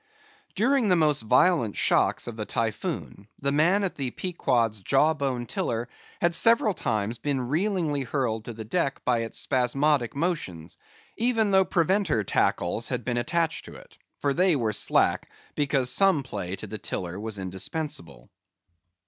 During the most violent shocks of the Typhoon, the man at the Pequod's jaw bone tiller had several times been reelingly hurled to the deck by its spasmodic motions, even though preventer tackles had been attached to it—for they were slack—because some play to the tiller was indispensable.